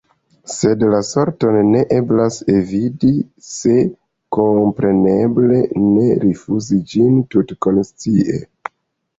Sed la sorton ne eblas eviti – se, kompreneble, ne rifuzi ĝin tutkonscie.